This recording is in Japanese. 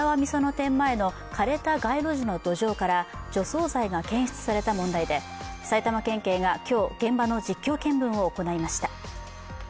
店前の枯れた街路樹の土壌から除草剤が検出された問題で埼玉県警が今日現場の実況見分を行いました。